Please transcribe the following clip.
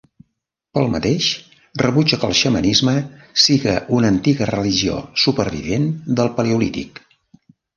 Pel mateix, rebutja que el xamanisme siga una antiga religió supervivent del Paleolític.